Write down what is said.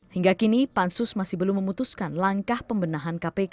hingga kini pansus masih belum memutuskan langkah pembenahan kpk